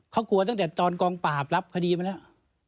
เขากลัวตั้งแต่ตอนกองปราบรับคดีมาแล้ว